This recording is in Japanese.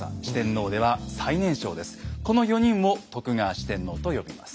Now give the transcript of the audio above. この４人を徳川四天王と呼びます。